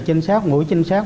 chính xác mũi chính xác